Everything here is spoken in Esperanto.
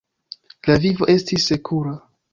La vivo estis sekura.